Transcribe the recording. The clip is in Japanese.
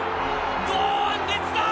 堂安律だ。